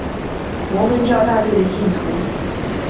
摩门教大队的信徒。